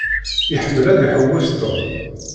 Iḥemmel ad iḥewwes Tom.